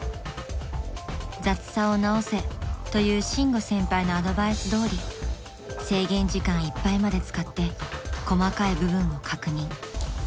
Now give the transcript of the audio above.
［「雑さを直せ」という伸吾先輩のアドバイスどおり制限時間いっぱいまで使って細かい部分を確認］